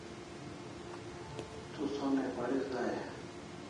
Tu sonai paris dai e?